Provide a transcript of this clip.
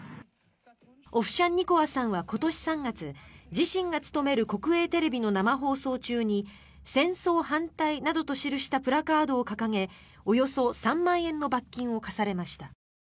オフシャンニコワさんは今年３月自身が務める国営テレビの生放送中に戦争反対などと記したプラカードを掲げおよそ３万円の罰金を科されました。